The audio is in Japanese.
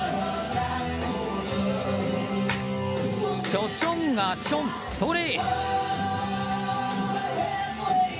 ちょちょんがちょん、それ！